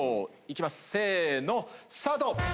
行きますせのスタート。